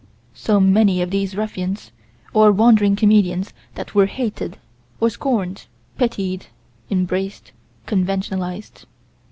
So many of these ruffians, or wandering comedians that were hated, or scorned, pitied, embraced, conventionalized.